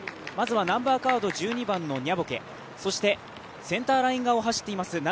まずはナンバーカード１２番のニャボケセンターライン側を走っています